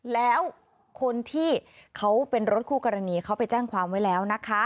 แล้วคนที่เขาเป็นรถคู่กรณีเขาไปแจ้งความไว้แล้วนะคะ